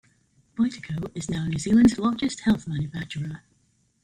Vitaco is now New Zealand's largest health manufacturer.